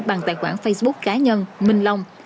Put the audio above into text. bằng tài khoản facebook cá nhân minh long